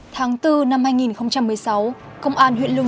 tháng bốn năm hai nghìn một mươi sáu công an huyện lương